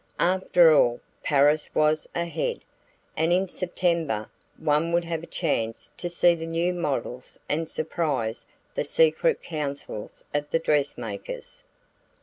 After all, Paris was ahead, and in September one would have a chance to see the new models and surprise the secret councils of the dressmakers.